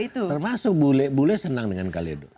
termasuk bule bule senang dengan kaledo